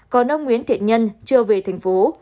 còn ông nguyễn thiện nhân chưa về thành phố